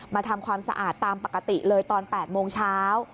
ทำความสะอาดตามปกติเลยตอน๘โมงเช้า